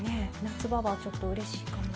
夏場はちょっとうれしいかな。